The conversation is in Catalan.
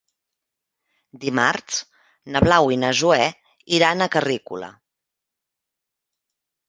Dimarts na Blau i na Zoè iran a Carrícola.